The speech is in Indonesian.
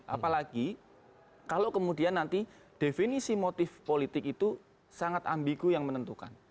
apalagi kalau kemudian nanti definisi motif politik itu sangat ambigu yang menentukan